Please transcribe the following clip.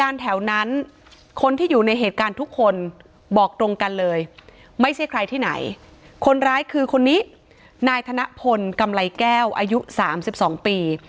ไม่ใช่ใครที่ไหนคนร้ายคือคนนี้นายธนพลกำไรแก้วอายุสามสิบสองปี